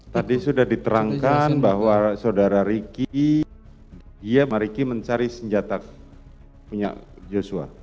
tadi sudah diterangkan bahwa saudara riki dia sama riki mencari senjata punya joshua